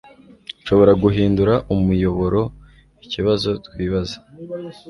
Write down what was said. Nshobora guhindura umuyoboroikibazo twibaza